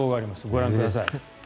ご覧ください。